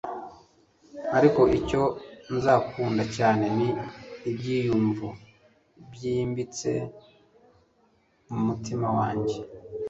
ariko icyo nzakunda cyane ni ibyiyumvo byimbitse mumutima wanjye